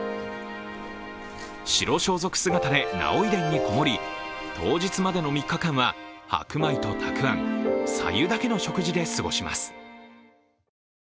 白装束姿で儺追殿にこもり、当日までの３日間は白米とたくあんさ湯だけの食事で過ごします。